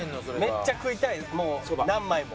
めっちゃ食いたいもう何枚も。